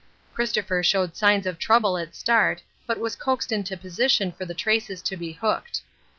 Christopher showed signs of trouble at start, but was coaxed into position for the traces to be hooked.